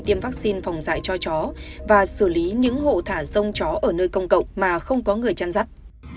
tiêm vaccine phòng dạy cho chó và xử lý những hộ thả rông chó ở nơi công cộng mà không có người chăn rắt